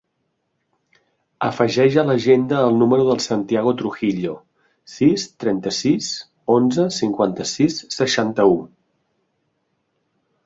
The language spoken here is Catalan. Afegeix a l'agenda el número del Santiago Trujillo: sis, trenta-sis, onze, cinquanta-sis, seixanta-u.